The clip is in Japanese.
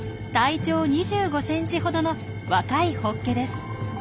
体長２５ｃｍほどの若いホッケです。